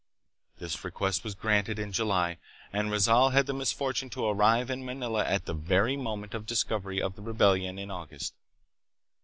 This request was granted in July, and Rizal had the misfortune to arrive in Manila at the very moment of discovery of the rebellion in August.